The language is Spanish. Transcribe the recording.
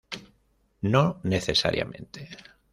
No necesariamente.